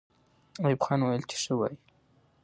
ایوب خان وویل چې ښه وایئ.